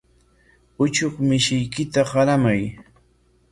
Uchuk mishiykita qaramay.